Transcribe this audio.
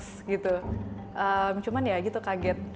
tapi kaget karena ke cp kayak ke teklik